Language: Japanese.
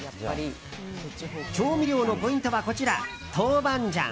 調味料のポイントはこちら、豆板醤。